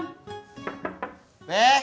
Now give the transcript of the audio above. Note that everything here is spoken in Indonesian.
eh pak sofyan